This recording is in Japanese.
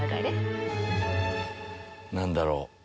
何だろう？